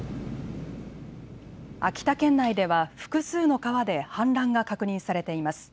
秋田県内では複数の川で氾濫が確認されています。